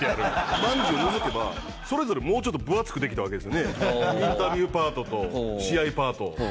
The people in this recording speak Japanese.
バンジーを除けばそれぞれもうちょっと分厚くできたわけですよねインタビューパートと試合パート。